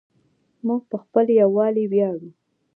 موږ په خپل یووالي ویاړو.